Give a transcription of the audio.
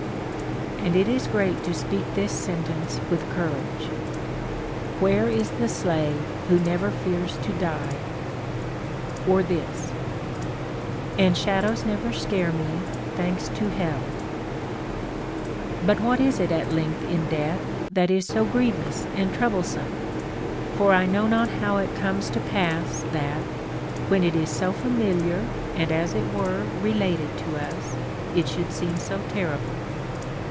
And it is great to speak this sentence wdth courage :— Where is the slave who never fears to die ?* Or this :— And shadows never scare me, thanks to hell. But what is it at length in death, that is so grievous and troublesome 1 For I know not how it comes to pass that, w^hen it is so familiar and as it were related to us, it should seem so terrible.